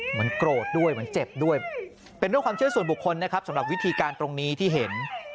โกรธด้วยเหมือนเจ็บด้วยเป็นเรื่องความเชื่อส่วนบุคคลนะครับสำหรับวิธีการตรงนี้ที่เห็น